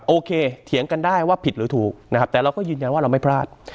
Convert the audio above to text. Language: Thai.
เถียงกันได้ว่าผิดหรือถูกนะครับแต่เราก็ยืนยันว่าเราไม่พลาด